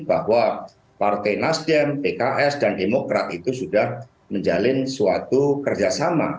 bahwa partai nasdem pks dan demokrat itu sudah menjalin suatu kerjasama